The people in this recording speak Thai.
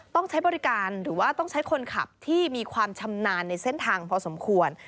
ต้องใช้บริการหรือว่าต้องใช้คนขับที่มีความชำนาญในเส้นทางพอสมควร